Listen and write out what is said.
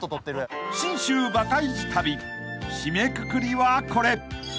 ［信州バカイジ旅締めくくりはこれ］